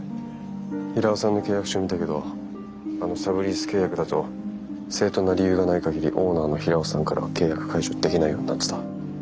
平尾さんの契約書見たけどあのサブリース契約だと正当な理由がない限りオーナーの平尾さんからは契約解除できないようになってた。